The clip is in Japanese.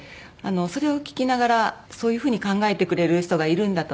それを聞きながらそういう風に考えてくれる人がいるんだと。